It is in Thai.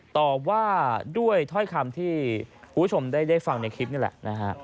ตอบว่าด้วยถ้อยคำที่ผู้ชมได้เรียกฟังในคลิปนี้แหละ